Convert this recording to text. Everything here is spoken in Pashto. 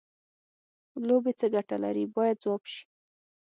لوبې څه ګټه لري باید ځواب شي.